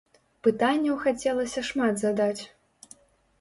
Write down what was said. Пытанняў хацелася шмат задаць.